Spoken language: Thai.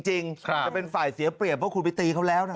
จะเป็นฝ่ายเสียเปรียบเพราะคุณไปตีเขาแล้วนะ